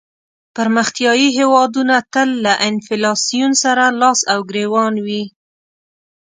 پرمختیایې هېوادونه تل له انفلاسیون سره لاس او ګریوان وي.